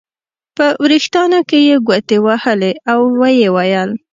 په وریښتانو کې یې ګوتې وهلې او ویې ویل.